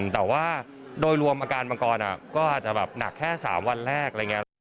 แต่ว่าโดยรวมอาการบังกรก็อาจจะหนักแค่๓วันแรก